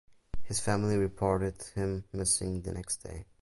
His family reported him missing the next day.